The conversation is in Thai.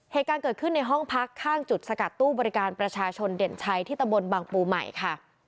เหตุการณ์เกิดขึ้นในห้องพักข้างจุดสกัดตู้บริการประชาชนเด่นชัยที่ตะบนบางปูใหม่ค่ะ